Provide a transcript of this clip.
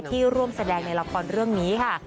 ร่วมแสดงในละครเรื่องนี้ค่ะ